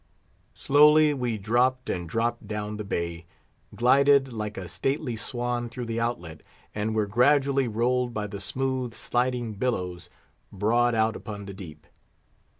Slowly we dropped and dropped down the bay, glided like a stately swan through the outlet, and were gradually rolled by the smooth, sliding billows broad out upon the deep.